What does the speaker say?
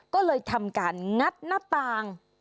ก็เลยทำการงัดหน้าต่าง